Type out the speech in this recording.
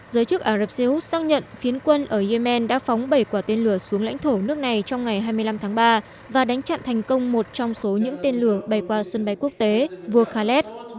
giới chức ả rập xê út xác nhận phiến quân ở yemen đã phóng bảy quả tên lửa xuống lãnh thổ nước này trong ngày hai mươi năm tháng ba và đánh chặn thành công một trong số những tên lửa bay qua sân bay quốc tế vua khaled